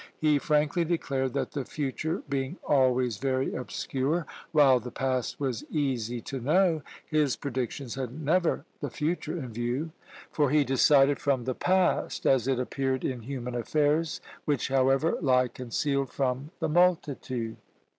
He frankly declared that the FUTURE being always very obscure, while the PAST was easy to know, his predictions had never the future in view; for he decided from the PAST as it appeared in human affairs, which, however, lie concealed from the multitude.